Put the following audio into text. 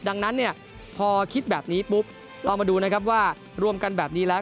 ดังนั้นเนี่ยพอคิดแบบนี้ปุ๊บเรามาดูนะครับว่ารวมกันแบบนี้แล้ว